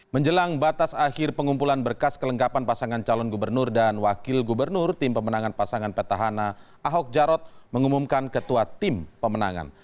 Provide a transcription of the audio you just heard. menjelang batas akhir pengumpulan berkas kelengkapan pasangan calon gubernur dan wakil gubernur tim pemenangan pasangan petahana ahok jarot mengumumkan ketua tim pemenangan